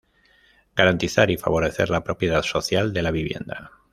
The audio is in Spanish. Garantizar y favorecer la propiedad social de la vivienda.